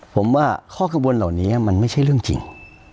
ผมว่าข้อกังวลเหล่านี้มันไม่ใช่เรื่องจริง